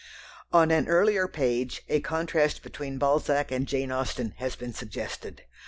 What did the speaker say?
On an earlier page a contrast between Balzac and Jane Austen has been suggested.